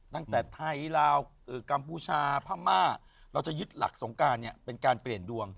ตั้งแต่ไทยลาวกัมพูชาพม่าเราจะยึดหลักสงการเนี่ยเป็นการเปลี่ยนดวง